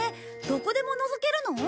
どこでものぞけるの？